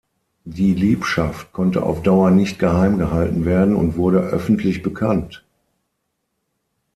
Die Liebschaft konnte auf Dauer nicht geheim gehalten werden und wurde öffentlich bekannt.